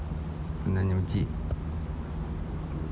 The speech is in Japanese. そんなにおいちい？